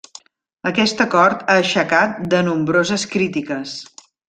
Aquest acord ha aixecat de nombroses crítiques.